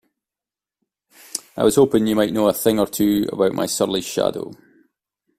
I was hoping you might know a thing or two about my surly shadow?